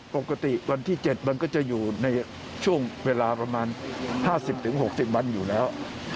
ปกติวันที่๗มันก็จะอยู่ในช่วงเวลาประมาณ๕๐๖๐วันอยู่แล้ว